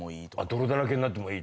泥だらけになってもいい。